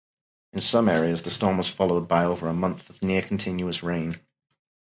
In some areas the storm was followed by over a month of near-continuous rain.